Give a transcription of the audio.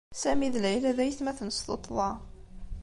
Sami d Layla d aytmaten s tuṭṭḍa.